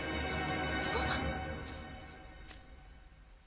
あっ。